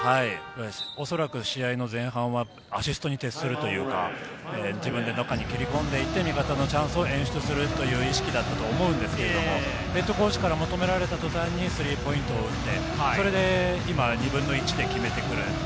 おそらく試合前半はアシストに徹するというか、自分で中に切り込んでいって、味方のチャンスを演出するという意識だったと思うんですが、ＨＣから求められたとたんにスリーポイントを打って、それで今、２分の１で決めてくる。